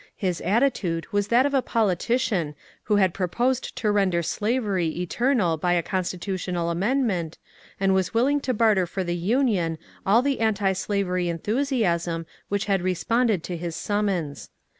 /His attitude was that of a politician who had pro posed to renderslavery eternal by a constitutional amendment, and was willing to barter for the Union all the antislavery enthusiasm which had responded to his summons.